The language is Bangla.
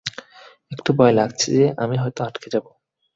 একটু ভয় লাগছে যে, আমি হয়তো আটকে যাব।